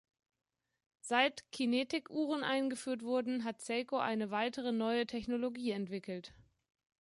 Seit Kinetic-Uhren eingeführt wurden, hat Seiko eine weitere neue Technologie entwickelt.